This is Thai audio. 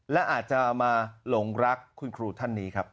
และอาจจะมาหลงรักคุณครูท่านนี้ครับ